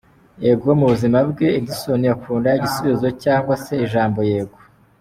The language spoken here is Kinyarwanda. Y: Yego, mu buzima bwe, Edyzzon akunda igisubizo cyangwa se ijambo Yego.